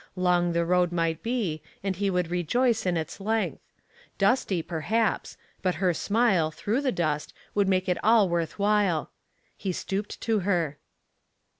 Long the road might be, and he would rejoice in its length; dusty perhaps, but her smile through the dust would make it all worth while. He stooped to her.